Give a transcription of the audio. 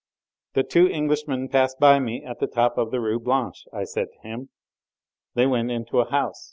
"The two Englishmen passed by me at the top of the Rue Blanche," I said to him. "They went into a house